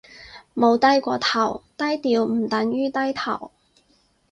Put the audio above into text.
冇低過頭，低調唔等於低頭